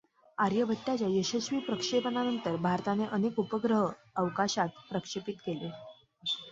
आर्यभट्टच्या यशस्वी प्रक्षेपणानंतर भारताने अनेक उपग्रह अवकाशात प्रक्षेपित केले.